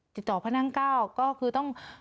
จิตต่อพระนางก้าวก็คือต้อง